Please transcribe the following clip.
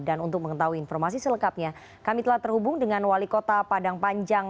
dan untuk mengetahui informasi selekapnya kami telah terhubung dengan wali kota padang panjang